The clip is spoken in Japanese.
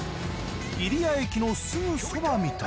入谷駅のすぐそばみたい。